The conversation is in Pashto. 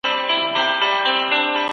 ایډیالوژیکي جګړې یوازي ویرانۍ راوړې.